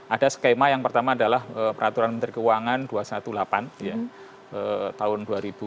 ada skema yang pertama adalah peraturan menteri keuangan dua ratus delapan belas tahun dua ribu dua puluh